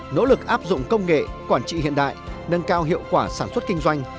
nỗ lực áp dụng công nghệ quản trị hiện đại nâng cao hiệu quả sản xuất kinh doanh